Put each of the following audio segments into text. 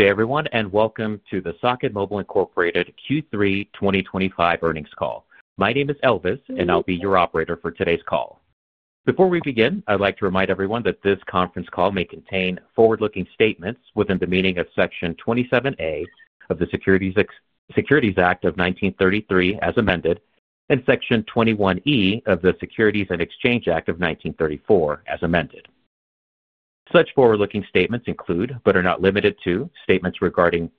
Good day, everyone, and welcome to the Socket Mobile, Inc. Q3 2025 earnings call. My name is Elvis, and I'll be your operator for today's call. Before we begin, I'd like to remind everyone that this conference call may contain forward-looking statements within the meaning of Section 27A of the Securities Act of 1933 as amended, and Section 21E of the Securities and Exchange Act of 1934 as amended. Such forward-looking statements include, but are not limited to, statements regarding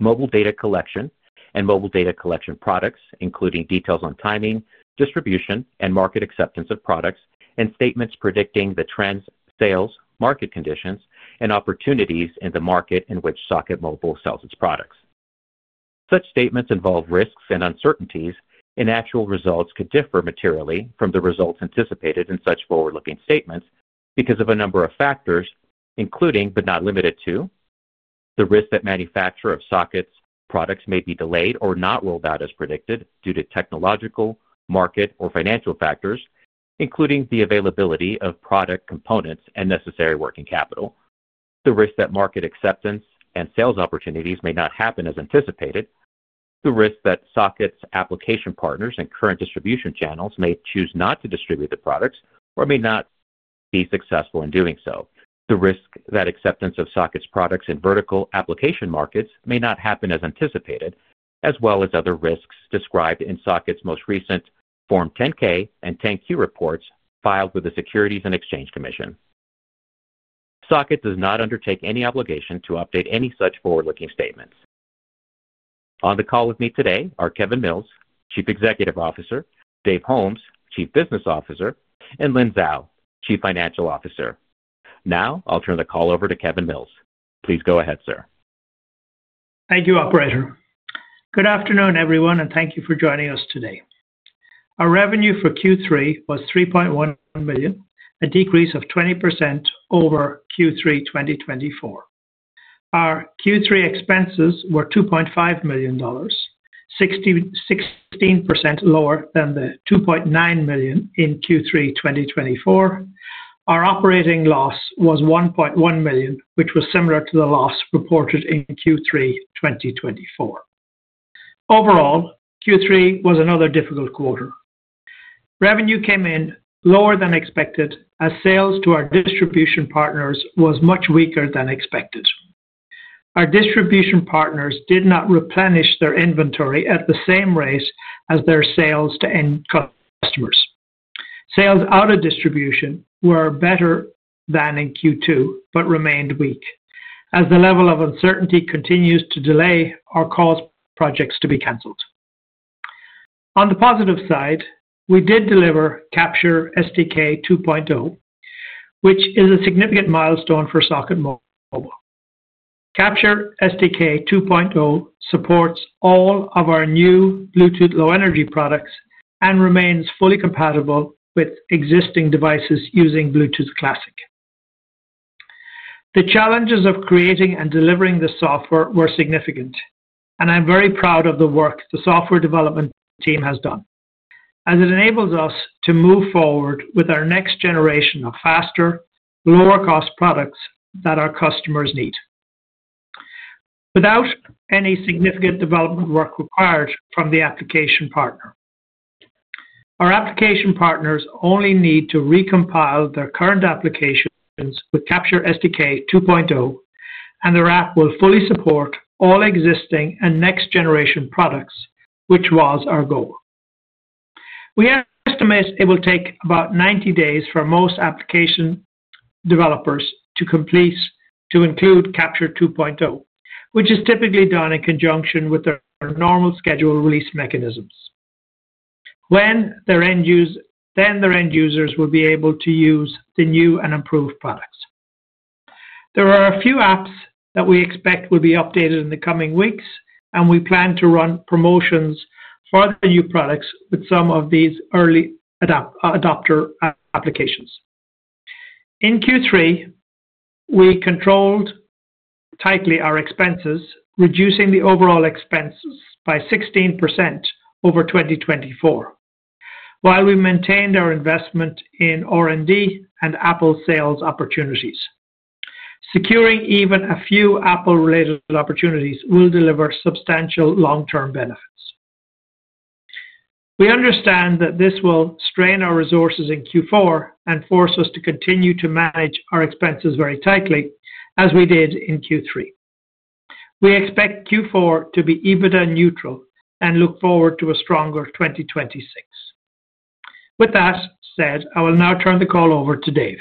mobile data collection and mobile data collection products, including details on timing, distribution, and market acceptance of products, and statements predicting the trends, sales, market conditions, and opportunities in the market in which Socket Mobile sells its products. Such statements involve risks and uncertainties, and actual results could differ materially from the results anticipated in such forward-looking statements because of a number of factors, including, but not limited to, the risk that manufacture of Socket Mobile's products may be delayed or not rolled out as predicted due to technological, market, or financial factors, including the availability of product components and necessary working capital, the risk that market acceptance and sales opportunities may not happen as anticipated, the risk that Socket Mobile's application partners and current distribution channels may choose not to distribute the products or may not be successful in doing so, the risk that acceptance of Socket Mobile's products in vertical application markets may not happen as anticipated, as well as other risks described in Socket Mobile's most recent Form 10-K and 10-Q reports filed with the Securities and Exchange Commission. Socket Mobile does not undertake any obligation to update any such forward-looking statements. On the call with me today are Kevin Mills, Chief Executive Officer; Dave Holmes, Chief Business Officer; and Lynn Zhao, Chief Financial Officer. Now, I'll turn the call over to Kevin Mills. Please go ahead, sir. Thank you, operator. Good afternoon, everyone, and thank you for joining us today. Our revenue for Q3 was $3.1 million, a decrease of 20% over Q3 2024. Our Q3 expenses were $2.5 million, 16% lower than the $2.9 million in Q3 2024. Our operating loss was $1.1 million, which was similar to the loss reported in Q3 2024. Overall, Q3 was another difficult quarter. Revenue came in lower than expected, as sales to our distribution partners were much weaker than expected. Our distribution partners did not replenish their inventory at the same rate as their sales to end customers. Sales out of distribution were better than in Q2, but remained weak, as the level of uncertainty continues to delay or cause projects to be canceled. On the positive side, we did deliver CaptureSDK 2.0, which is a significant milestone for Socket Mobile. CaptureSDK 2.0 supports all of our new Bluetooth Low Energy products and remains fully compatible with existing devices using Bluetooth Classic. The challenges of creating and delivering the software were significant, and I'm very proud of the work the software development team has done, as it enables us to move forward with our next generation of faster, lower-cost products that our customers need without any significant development work required from the application partner. Our application partners only need to recompile their current applications with CaptureSDK 2.0, and their app will fully support all existing and next-generation products, which was our goal. We estimate it will take about 90 days for most application developers to complete to include CaptureSDK 2.0, which is typically done in conjunction with their normal scheduled release mechanisms. When their end users will be able to use the new and improved products, there are a few apps that we expect will be updated in the coming weeks, and we plan to run promotions for the new products with some of these early adopter applications. In Q3, we controlled tightly our expenses, reducing the overall expenses by 16% over 2024, while we maintained our investment in R&D and Apple sales opportunities. Securing even a few Apple-related opportunities will deliver substantial long-term benefits. We understand that this will strain our resources in Q4 and force us to continue to manage our expenses very tightly as we did in Q3. We expect Q4 to be EBITDA neutral and look forward to a stronger 2026. With that said, I will now turn the call over to Dave.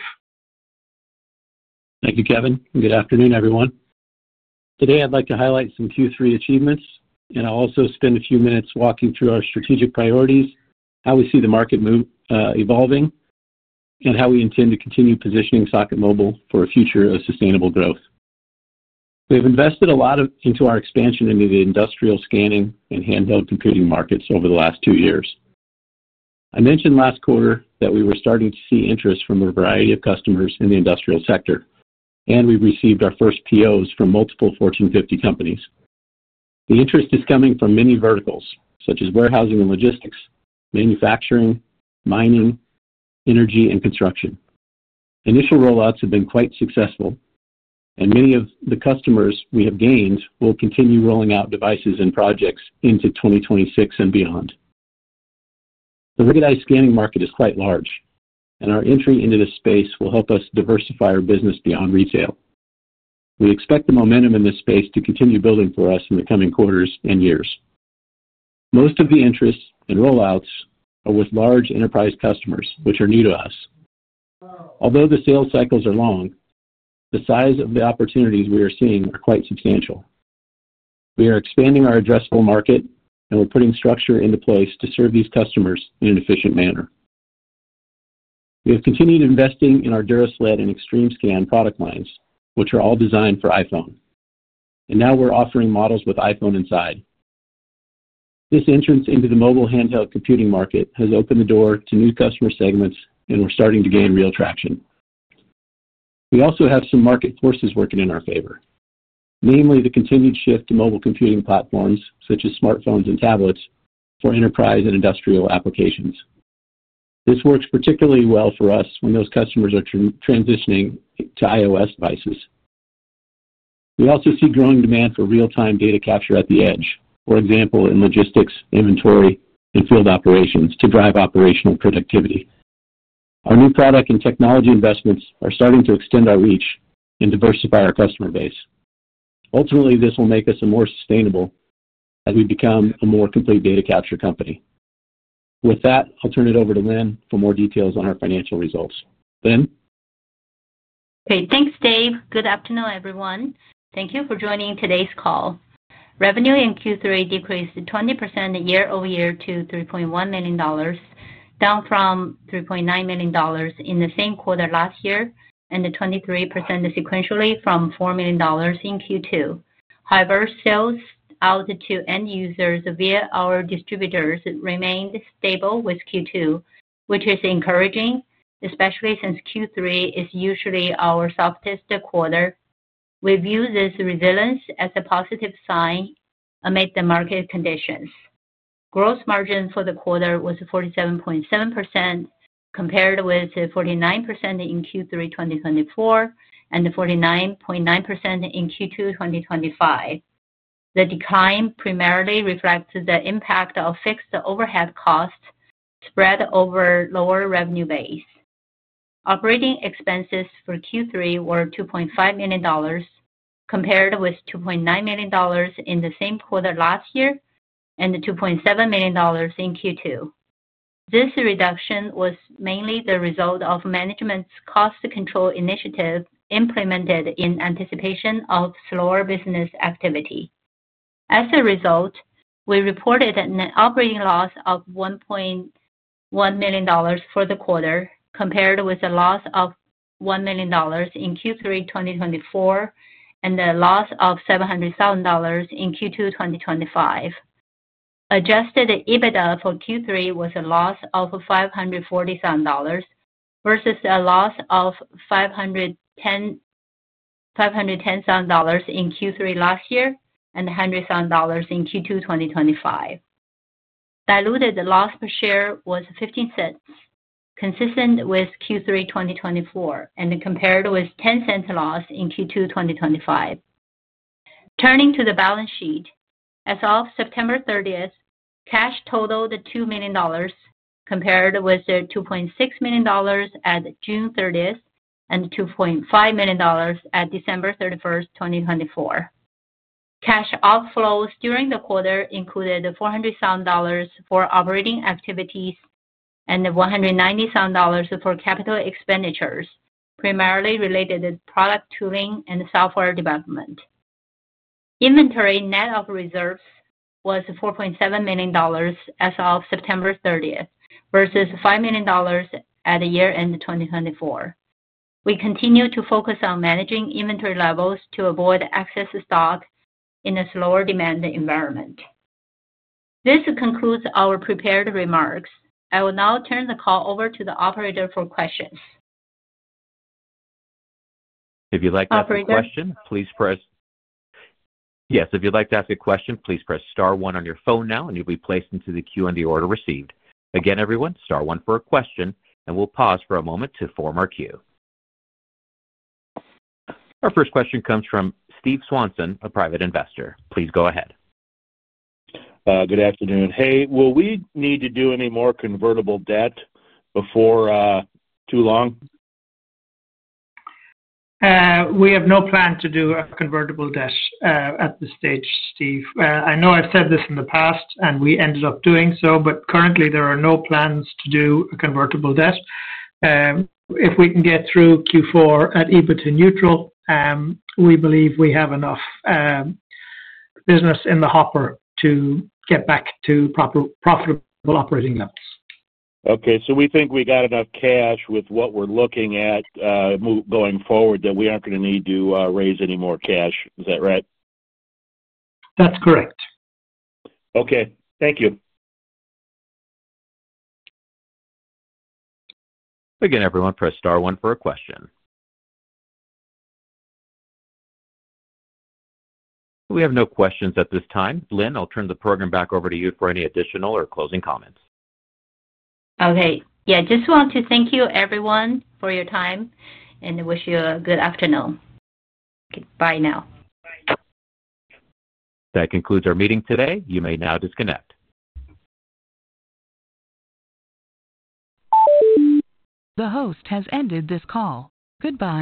Thank you, Kevin. Good afternoon, everyone. Today, I'd like to highlight some Q3 achievements, and I'll also spend a few minutes walking through our strategic priorities, how we see the market evolving, and how we intend to continue positioning Socket Mobile for a future of sustainable growth. We have invested a lot into our expansion into the industrial scanning and handheld computing markets over the last two years. I mentioned last quarter that we were starting to see interest from a variety of customers in the industrial sector, and we received our first POs from multiple Fortune 50 companies. The interest is coming from many verticals, such as warehousing and logistics, manufacturing, mining, energy, and construction. Initial rollouts have been quite successful, and many of the customers we have gained will continue rolling out devices and projects into 2026 and beyond. The rugidized scanning market is quite large, and our entry into this space will help us diversify our business beyond retail. We expect the momentum in this space to continue building for us in the coming quarters and years. Most of the interest and rollouts are with large enterprise customers, which are new to us. Although the sales cycles are long, the size of the opportunities we are seeing is quite substantial. We are expanding our addressable market, and we're putting structure into place to serve these customers in an efficient manner. We have continued investing in our DuraSlate and XtremeScan product lines, which are all designed for iPhone, and now we're offering models with iPhone inside. This entrance into the mobile handheld computing market has opened the door to new customer segments, and we're starting to gain real traction. We also have some market forces working in our favor, namely the continued shift to mobile computing platforms, such as smartphones and tablets, for enterprise and industrial applications. This works particularly well for us when those customers are transitioning to iOS devices. We also see growing demand for real-time data capture at the edge, for example, in logistics, inventory, and field operations to drive operational productivity. Our new product and technology investments are starting to extend our reach and diversify our customer base. Ultimately, this will make us more sustainable as we become a more complete data capture company. With that, I'll turn it over to Lynn for more details on our financial results. Lynn? Okay. Thanks, Dave. Good afternoon, everyone. Thank you for joining today's call. Revenue in Q3 decreased 20% year-over-year to $3.1 million, down from $3.9 million in the same quarter last year, and 23% sequentially from $4 million in Q2. However, sales out to end users via our distributors remained stable with Q2, which is encouraging, especially since Q3 is usually our softest quarter. We view this resilience as a positive sign amid the market conditions. Gross margin for the quarter was 47.7%, compared with 49% in Q3 2024 and 49.9% in Q2 2025. The decline primarily reflects the impact of fixed overhead costs spread over a lower revenue base. Operating expenses for Q3 were $2.5 million, compared with $2.9 million in the same quarter last year and $2.7 million in Q2. This reduction was mainly the result of management's cost control initiative implemented in anticipation of slower business activity. As a result, we reported an operating loss of $1.1 million for the quarter, compared with a loss of $1 million in Q3 2024 and a loss of $700,000 in Q2 2025. Adjusted EBITDA for Q3 was a loss of $540,000 versus a loss of $510,000 in Q3 last year and $100,000 in Q2 2025. Diluted loss per share was $0.15, consistent with Q3 2024 and compared with a $0.10 loss in Q2 2025. Turning to the balance sheet, as of September 30, cash totaled $2 million, compared with $2.6 million at June 30th and $2.5 million at December 31st, 2024. Cash outflows during the quarter included $400,000 for operating activities and $190,000 for capital expenditures, primarily related to product tooling and software development. Inventory net of reserves was $4.7 million as of September 30th versus $5 million at year-end 2024. We continue to focus on managing inventory levels to avoid excess stock in a slower demand environment. This concludes our prepared remarks. I will now turn the call over to the operator for questions. If you'd like to ask a question, please press. Operator? Yes. If you'd like to ask a question, please press star one on your phone now, and you'll be placed into the queue in the order received. Again, everyone, star one for a question, and we'll pause for a moment to form our queue. Our first question comes from Steve Swanson, a private investor. Please go ahead. Good afternoon. Will we need to do any more convertible debt before too long? We have no plan to do a convertible debt at this stage, Steve. I know I've said this in the past, and we ended up doing so, but currently, there are no plans to do a convertible debt. If we can get through Q4 at EBITDA neutral, we believe we have enough business in the hopper to get back to profitable operating levels. Okay, we think we got enough cash with what we're looking at going forward that we aren't going to need to raise any more cash. Is that right? That's correct. Okay, thank you. Again, everyone, press star one for a question. We have no questions at this time. Lynn, I'll turn the program back over to you for any additional or closing comments. Okay. I just want to thank you, everyone, for your time, and I wish you a good afternoon. Okay. Bye now. That concludes our meeting today. You may now disconnect. The host has ended this call. Goodbye.